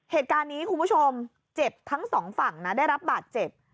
เหตุการณ์นี้คุณผู้ชมเจ็บทั้งสองฝั่งนะได้รับบาดเจ็บ